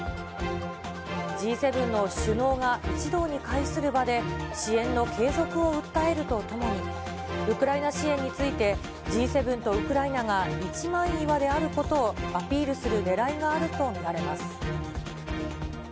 Ｇ７の首脳が一堂に会する場で、支援の継続を訴えるとともに、ウクライナ支援についてＧ７とウクライナが一枚岩であることをアピールするねらいがあると見られます。